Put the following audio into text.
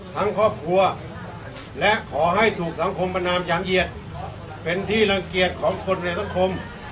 ทั้งครอบครัวและขอให้ถูกสังคมประนามอย่างเหยียดเป็นที่รังเกียจของคนในสังคม